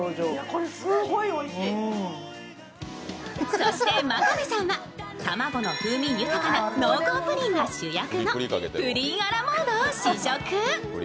そして真壁さんは、卵の風味豊かな濃厚プリンが主役のプリン・ア・ラ・モードを試食。